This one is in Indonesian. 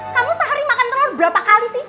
kamu sehari makan telur berapa kali sih